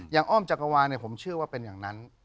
อ้อมจักรวาลผมเชื่อว่าเป็นอย่างนั้น